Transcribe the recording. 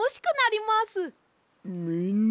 みんな。